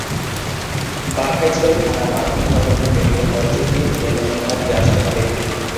বাঘাইছড়ি থানার মাধ্যমে চট্টগ্রাম মেডিকেল কলেজে গিয়ে ডিএনএ নমুনা দিয়ে আসতে হবে।